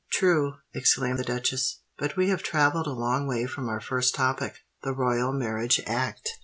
"True," exclaimed the duchess. "But we have travelled a long way from our first topic—the Royal Marriage Act.